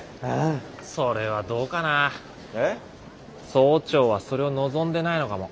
総長はそれを望んでないのかも。